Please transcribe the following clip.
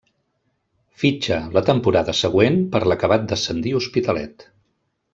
Fitxa la temporada següent per l'acabat d'ascendir Hospitalet.